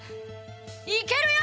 いけるよ！